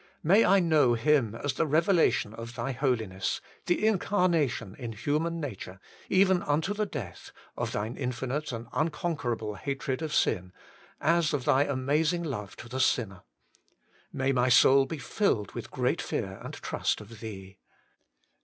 May I know Him as the revelation of Thy Holi ness, the incarnation in human nature, even unto the death, of Thine infinite and unconquerable hatred of sin, as of Thy amazing love to the sinner. May my soul be filled with great fear and trust of Thee.